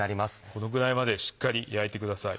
このぐらいまでしっかり焼いてください。